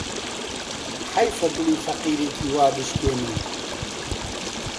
حەیفە دڵی فەقیرێکی وا بشکێنی